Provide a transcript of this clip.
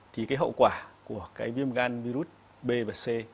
thì cái hậu quả của cái viêm gan viêm gan